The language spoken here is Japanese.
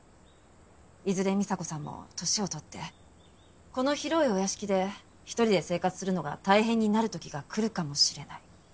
いずれ美沙子さんも年を取ってこの広いお屋敷で１人で生活するのが大変になる時が来るかもしれない。